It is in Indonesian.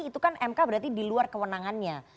itu kan mk berarti diluar kewenangannya